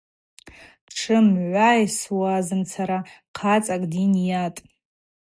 Дшымгӏвайсуазымцара хъацӏакӏ дйынйатӏ.